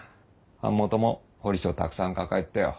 版元も彫り師をたくさん抱えてたよ。